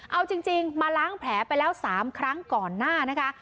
เอาจริงมาล้างแผลไปแล้ว๓ครั้งก่อนหน้านะคะ